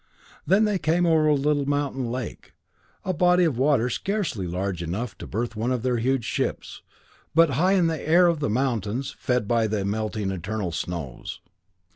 Then they came over a little mountain lake, a body of water scarcely large enough to berth one of their huge ships, but high in the clear air of the mountains, fed by the melting of eternal snows.